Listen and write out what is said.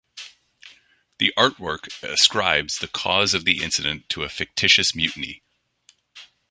The artwork ascribes the cause of the incident to a fictitious mutiny.